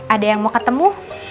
ada yang mau ketemu